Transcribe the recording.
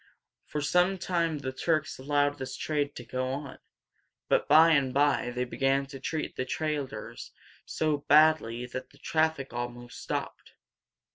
For some time the Turks allowed this trade to go on, but by and by they began to treat the traders so badly that the traffic almost stopped.